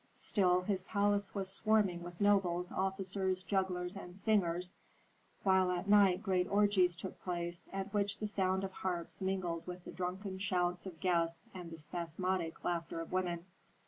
Still, his palace was swarming with nobles, officers, jugglers, and singers, while at night great orgies took place, at which the sound of harps mingled with the drunken shouts of guests and the spasmodic laughter of women.